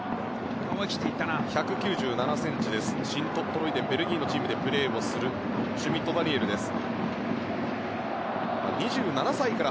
１９７ｃｍシントトロイデンベルギーのチームでプレーをするシュミット・ダニエルです。